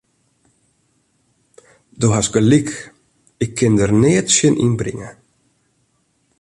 Do hast gelyk, ik kin der neat tsjin ynbringe.